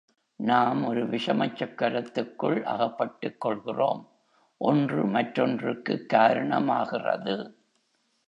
நாம் ஒரு விஷமச் சக்கரத்துள் அகப்பட்டுக் கொள்கிறோம் ஒன்று மற்றொன்றுக்குக் காரணமாகிறது.